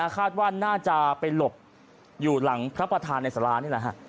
คาดว่าน่าจะไปหลบอยู่หลังพระประธานในสารานี่แหละฮะ